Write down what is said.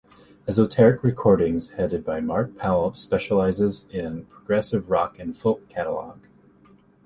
Esoteric Recordings, headed by Mark Powell, specialises in progressive rock and folk catalogue.